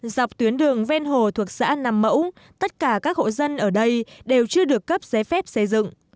dọc tuyến đường ven hồ thuộc xã nằm mẫu tất cả các hộ dân ở đây đều chưa được cấp giấy phép xây dựng